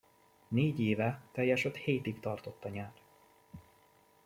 Négy éve teljes öt hétig tartott a nyár!